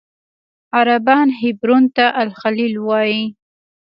عربان حبرون ته الخلیل وایي.